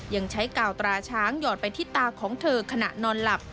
ยังใช้กาวตราช้างหยอดไปที่ตาของเธอขณะนอนหลับ